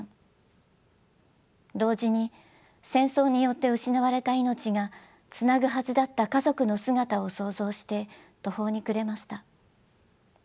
同時に戦争によって失われた命がつなぐはずだった家族の姿を想像して途方に暮れました。